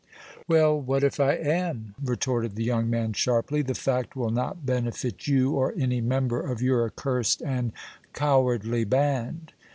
"Well, what if I am?" retorted the young man, sharply. "The fact will not benefit you or any member of your accursed and cowardly band!"